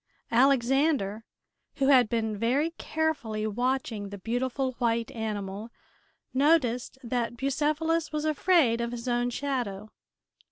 Alexander, who had been very carefully watching the beautiful white animal, noticed that Bucephalus was afraid of his own shadow.